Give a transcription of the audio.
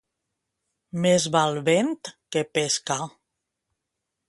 Més val vent que pesca.